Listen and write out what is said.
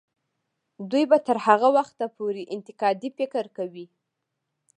دوی به تر هغه وخته پورې انتقادي فکر کوي.